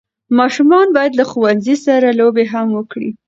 ماشومان باید له ښوونځي سره لوبي هم وکړي.